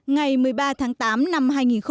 ngày một mươi ba tháng tám năm hai nghìn một mươi chín